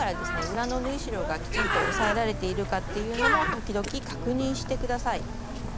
裏の縫い代がきちんと押さえられているかっていうのも時々確認して下さい。